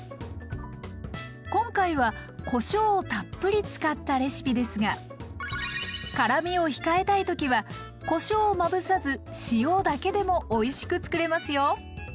今回はこしょうをたっぷり使ったレシピですが辛みを控えたいときはこしょうをまぶさず塩だけでもおいしくつくれますよ。